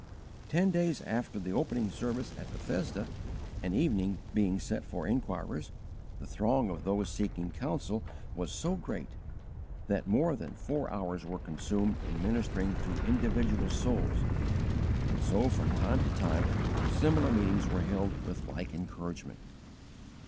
Ten days after the opening service at Bethesda, an evening being set for inquirers, the throng of those seeking counsel was so great that more than four hours were consumed in ministering to individual souls, and so from time to time similar meetings were held with like encouragement.